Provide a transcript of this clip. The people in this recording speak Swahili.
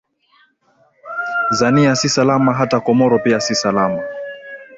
zania si salama hata comoro pia si salama